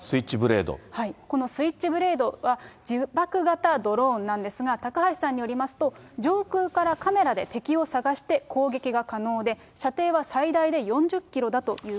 このスイッチブレードは、自爆型ドローンなんですが、高橋さんによりますと、上空からカメラで敵を捜して攻撃が可能で、射程は最大で４０キロ